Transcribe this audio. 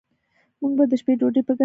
موږ به د شپې ډوډي په ګډه وخورو